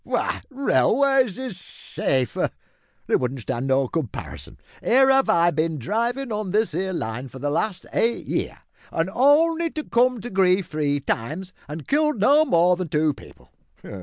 W'y, railways is safer. They won't stand no comparison. Here 'ave I bin drivin' on this 'ere line for the last eight year an' only to come to grief three times, an' killed no more than two people.